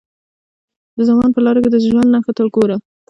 د زمان پر لارو که د ژوند نښو ته وګورو.